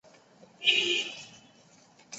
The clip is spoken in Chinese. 明命十六年成为皇长子长庆公府妾。